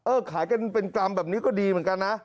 ขายกันเป็นกรัมแบบนี้ก็ดีเหมือนกันนะ